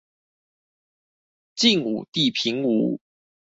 晉武帝平吳